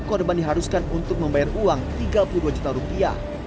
korban diharuskan untuk membayar uang tiga puluh dua juta rupiah